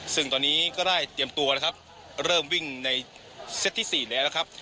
ซึ่งตอนนี้ก็ได้เตรียมตัวนะครับเริ่มวิ่งในเซตที่๔แล้วนะครับ